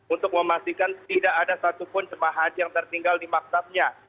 untuk memastikan tidak ada satupun jemaah haji yang tertinggal di maktabnya